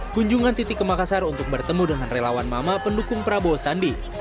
kunjungan titi ke makassar untuk bertemu dengan relawan mama pendukung prabowo sandi